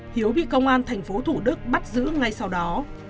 hiếu bị công an thành phố thủ đức bắt giữ ngay sau đó